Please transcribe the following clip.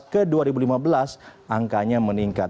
dua ribu dua belas ke dua ribu lima belas angkanya meningkat